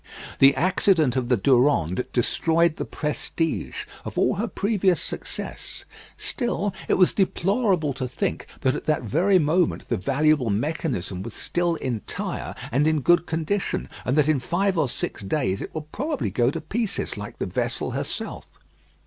The accident of the Durande destroyed the prestige of all her previous success. Still, it was deplorable to think that at that very moment this valuable mechanism was still entire and in good condition, and that in five or six days it would probably go to pieces, like the vessel herself.